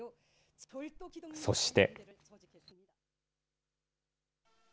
そして。